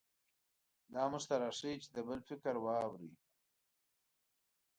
دا موږ ته راښيي چې د بل فکر واورئ.